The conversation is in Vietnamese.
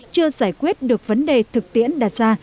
chưa giải quyết được vấn đề thực tiễn đặt ra